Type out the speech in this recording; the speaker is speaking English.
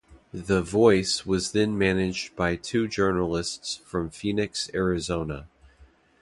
The "Voice" was then managed by two journalists from Phoenix, Arizona.